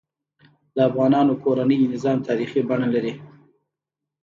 د افغانانو کورنۍ نظام تاریخي بڼه لري.